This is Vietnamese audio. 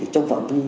trong phòng thi